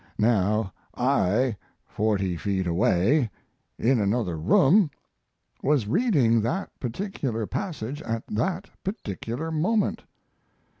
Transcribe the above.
Now I, forty feet away, in another room, was reading that particular passage at that particular moment.